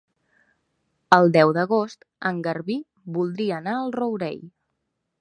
El deu d'agost en Garbí voldria anar al Rourell.